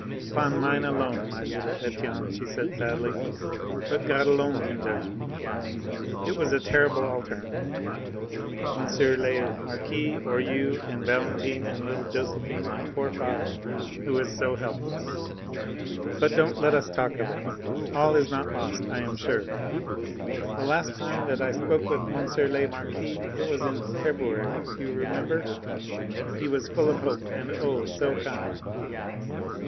"Upon mine alone, my little Etienne," she said sadly. "But God alone can judge me. It was a terrible alternative: M. le Marquis, or you and Valentine and little Josephine and poor father, who is so helpless! But don't let us talk of it. All is not lost, I am sure. The last time that I spoke with M. le Marquis it was in February, do you remember? he was full of hope, and oh! so kind.